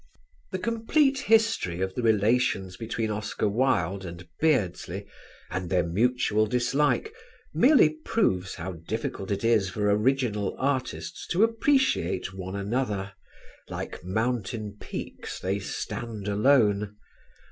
The complete history of the relations between Oscar Wilde and Beardsley, and their mutual dislike, merely proves how difficult it is for original artists to appreciate one another: like mountain peaks they stand alone.